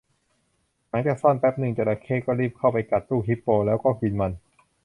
หลังจากซ่อนแป๊บนึง จระเข้ก็รีบเข้าไปกัดลูกฮิปโปแล้วก็กินมัน